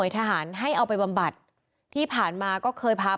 พุ่งเข้ามาแล้วกับแม่แค่สองคน